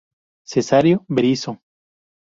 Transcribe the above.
Cesáreo Berisso.